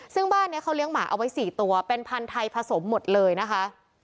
ซึ่งบ้านนี้เขาเลี้ยงหมาเอาไว้๔ตัวเป็นพันธุ์ไทยผสมหมดเลยนะคะ